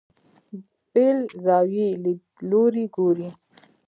بېل زاویې لیدلوري ګوري.